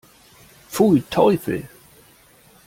Pfui, Teufel!